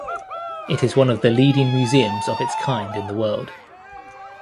It is one of the leading museums of its kind in the world.